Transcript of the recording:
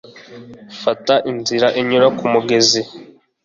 Fata inzira inyura kumugezi